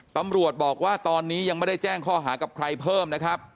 ตำรวจบอกว่าตอนนี้ยังไม่ได้แจ้งข้อหากับใครเพิ่มนะครับ